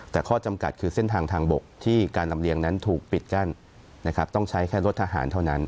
แต่ข้อจำกัดคือเส้นทางทางบกที่การลำเลียงนั้นถูกปิดกั้นนะครับต้องใช้แค่รถทหารเท่านั้น